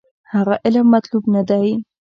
هغه علم مطلوب نه دی.